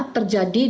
terjadi di banten